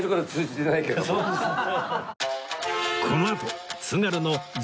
そうですね。